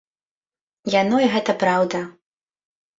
Яно й гэта праўда.